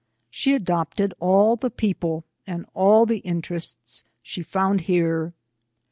She adopted all the people and all the interests she found here.